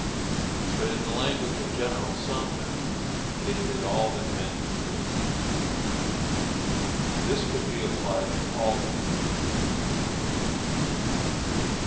But in the language of General Sumner, "they did all that men could do." This could be applied to all the troops engaged.